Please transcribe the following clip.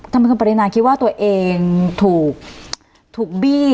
ทำไมคุณปรินาคิดว่าตัวเองถูกบี้